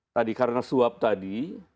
tadi karena suap tadi